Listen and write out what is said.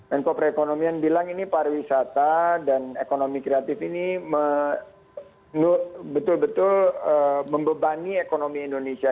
menko perekonomian bilang ini pariwisata dan ekonomi kreatif ini betul betul membebani ekonomi indonesia